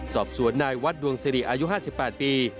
สอบสวนนายวัดดวงสิริอายุ๕๘ปี